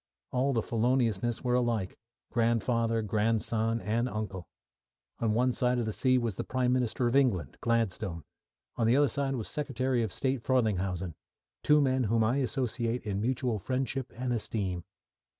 All the Feloniousness were alike grandfather, grandson, and uncle. On one side of the sea was the Prime Minister of England, Gladstone; on the other side was Secretary of State Frelinghuysen; two men whom I associate in mutual friendship and esteem.